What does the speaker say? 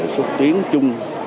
xuất tiến chung